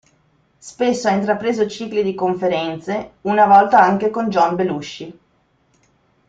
Spesso ha intrapreso cicli di conferenze, una volta anche con John Belushi.